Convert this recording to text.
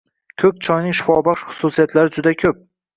Ko‘k choyning shifobaxsh xususiyatlari juda ko‘p.